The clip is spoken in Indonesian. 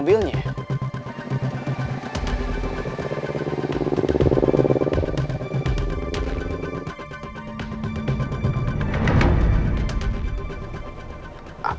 tidak ada apa apa